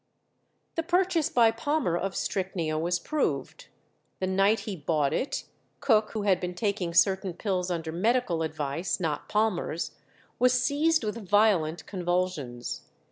The purchase by Palmer of strychnia was proved. The night he bought it, Cook, who had been taking certain pills under medical advice, not Palmer's, was seized with violent convulsions.